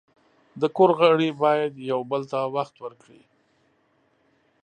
د کور غړي باید یو بل ته وخت ورکړي.